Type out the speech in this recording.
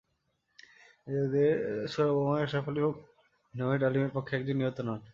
নিজেদের ছোড়া বোমায় আশরাফ আলী ফকির নামের ডালিমের পক্ষের একজন নিহত হন।